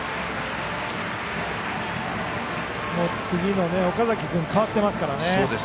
次の岡崎君、代わってますからね。